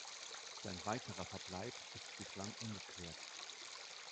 Sein weiterer Verbleib ist bislang ungeklärt.